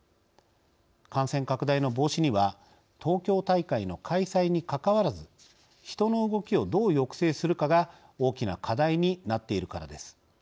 感染拡大の防止には東京大会の開催にかかわらず人の動きをどう抑制するかが大きな課題になっているからです。